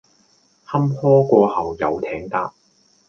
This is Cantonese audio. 坎坷過後有艇搭！